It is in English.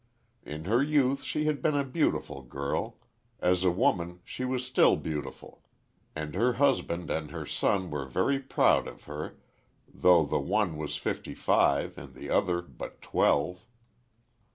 In her youth, she had been a beautiful girl; as a woman, she was still beautiful; and her husband and her son were very proud of her, though the one was fifty five, and the other but twelve.